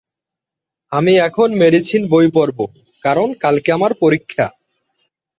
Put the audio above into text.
এই দিন গোটা সবজি সেদ্ধ খান বাঙালিরা।